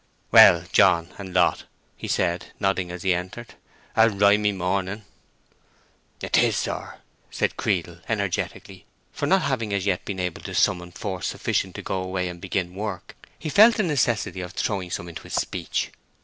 "Well, John, and Lot," he said, nodding as he entered. "A rimy morning." "'Tis, sir!" said Creedle, energetically; for, not having as yet been able to summon force sufficient to go away and begin work, he felt the necessity of throwing some into his speech.